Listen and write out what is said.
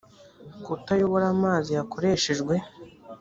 kutayobora amazi yakoreshejwe